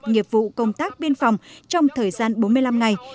nghiệp vụ công tác biên phòng trong thời gian bốn mươi năm ngày